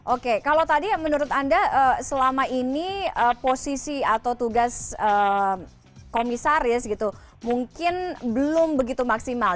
oke kalau tadi menurut anda selama ini posisi atau tugas komisaris gitu mungkin belum begitu maksimal